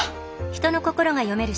人の心が読める